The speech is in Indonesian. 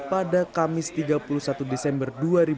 pada kamis tiga puluh satu desember dua ribu dua puluh